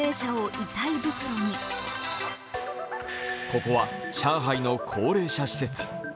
ここは上海の高齢者施設。